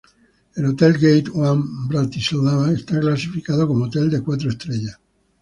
El Hotel Gate One Bratislava está clasificado como hotel cuatro estrellas.